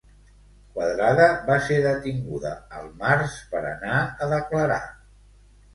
Quadrada va ser detinguda al març per anar a declarar.